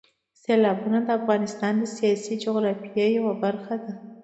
سیلابونه د افغانستان د سیاسي جغرافیې یوه برخه ده.